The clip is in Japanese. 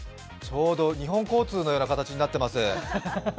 ちょうど日本交通のような形になっています。